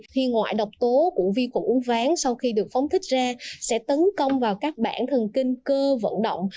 thì ngoại độc tố của vi khuẩn uống ván sau khi được phóng thích ra sẽ tấn công vào các bản thần kinh cơ vận động